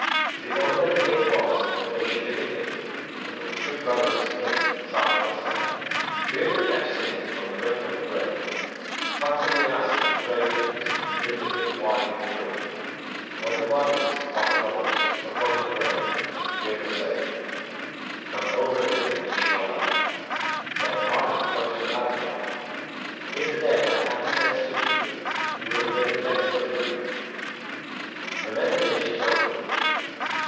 The order that he gave was that they should dig a pit and put the three brothers in it side by side. Deirdre kept sitting on the brink of the grave, constantly asking the gravediggers to dig the pit wide and free. When the bodies of the brothers were put in the grave, Deirdre said: Come over hither, Naois, my love, Let Arden close to Allen lie; If the dead had any sense to feel, Ye would have made a place for Deirdre. The men did as she told them.